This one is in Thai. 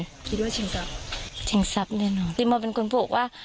คิดว่าชิงทรัพย์ชิงทรัพย์แน่นอนติโมเป็นคนบอกว่า